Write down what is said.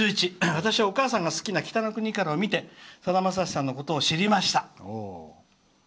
私はお母さんが好きな「北の国から」を見てさだまさしさんのことを知りました。